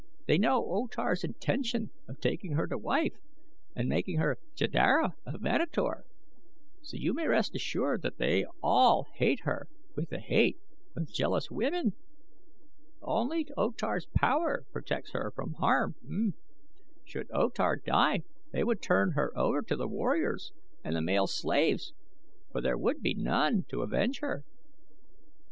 They know O Tar's intention of taking her to wife and making her Jeddara of Manator, so you may rest assured that they all hate her with the hate of jealous women. Only O Tar's power protects her now from harm. Should O Tar die they would turn her over to the warriors and the male slaves, for there would be none to avenge her."